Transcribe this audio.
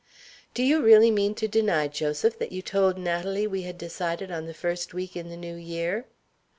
"Do you really mean to deny, Joseph, that you told Natalie we had decided on the first week in the New Year?"